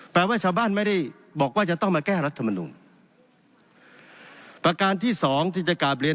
ว่าชาวบ้านไม่ได้บอกว่าจะต้องมาแก้รัฐมนุนประการที่สองที่จะกราบเรียน